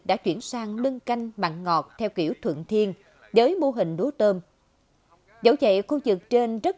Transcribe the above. đã chuyển sang nâng canh mặn ngọt theo kiểu thuận thiên với mô hình lúa tôm dẫu vậy khu vực trên rất